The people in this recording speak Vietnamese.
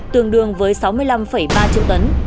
tương đương với sáu mươi năm ba triệu tấn